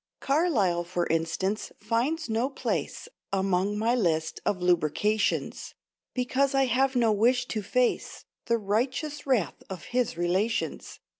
Carlyle, for instance, finds no place Among my list of lucubrations; Because I have no wish to face The righteous wrath of his relations.